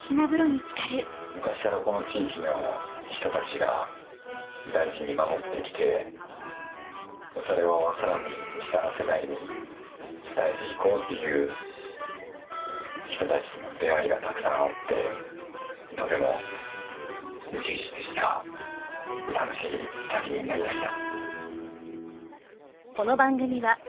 昔からこの地域の人たちが大事に守ってきてそれをさらに下の世代に伝えていこうという人たちとの出会いがたくさんあってとても充実した楽しい旅になりました。